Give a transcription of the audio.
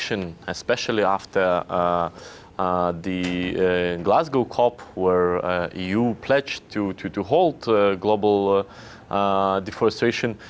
sebenarnya untuk menunjukkan legislasi deforestation